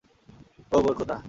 ওহ মোর খোদা।